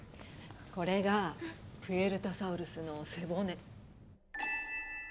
これがプエルタサウルスの背骨。